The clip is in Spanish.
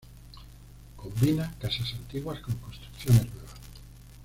Combina casas antiguas con construcciones nuevas.